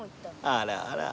あらあら。